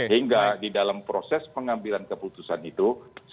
hingga di dalam proses pengambilan keputusan itu